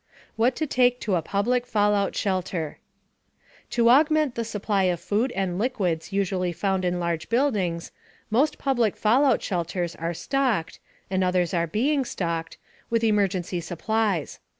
WHAT TO TAKE TO A PUBLIC FALLOUT SHELTER To augment the supply of food and liquids usually found in large buildings, most public fallout shelters are stocked and others are being stocked with emergency supplies.